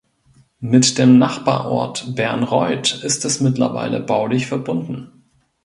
Mit dem Nachbarort Bernreuth ist es mittlerweile baulich verbunden.